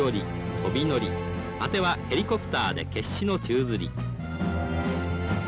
飛び乗り、果てはヘリコプターで決死の宙づり。